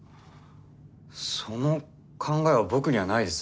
その考えは僕にはないです。